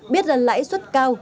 biết rằng lãi suất cao